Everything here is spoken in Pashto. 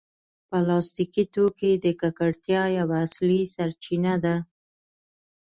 پلاستيکي توکي د ککړتیا یوه اصلي سرچینه ده.